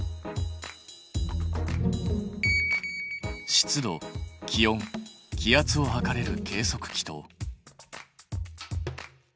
湿度気温気圧を測れる計測器と。